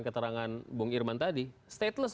keterangan bung irman tadi stateless